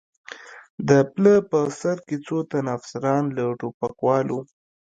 د پله په سر کې څو تنه افسران، له ټوپکوالو.